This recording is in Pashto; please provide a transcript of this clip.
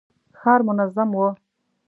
ښار منظم و.